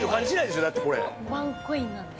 ワンコインなんです。